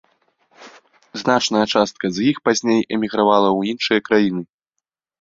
Значная частка з іх пазней эмігравала ў іншыя краіны.